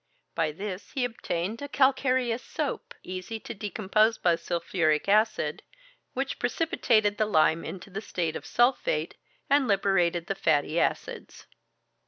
By this he obtained a calcareous soap, easy to decompose by sulphuric acid, which precipitated the lime into the state of sulphate, and liberated the fatty acids.